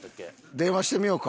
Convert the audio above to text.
電話してみようか。